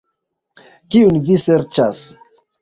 Kiun vi serĉas?